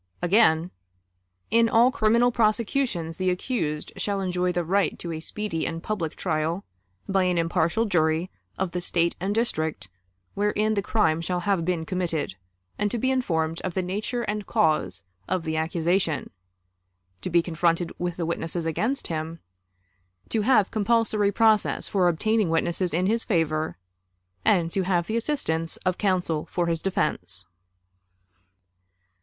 Again: "In all criminal prosecutions the accused shall enjoy the right to a speedy and public trial, by an impartial jury of the State and district wherein the crime shall have been committed, and to be informed of the nature and cause of the accusation; to be confronted with the witnesses against him; to have compulsory process for obtaining witnesses in his favor, and to have the assistance of counsel for his defense."